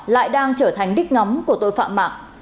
lại đang trở thành đích ngắm của tội phạm mạng